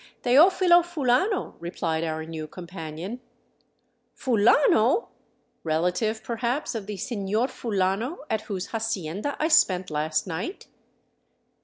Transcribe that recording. " Teofilo Fulano," replied our new companion. " Fulano ! Relative, perhaps, of the Seiior Fulano at whose hacienda I spent last night